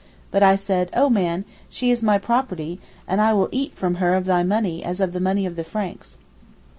But I said, 'Oh man, she is my property, and I will eat from her of thy money as of the money of the Franks.